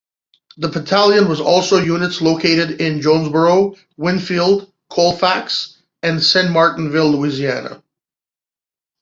The battalion also has units located in Jonesboro, Winnfield, Colfax, and Saint Martinville, Louisiana.